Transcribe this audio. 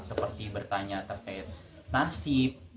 seperti bertanya terkait nasib